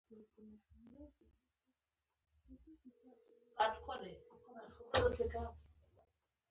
کمپیوټر مې بیا ریستارټ شو.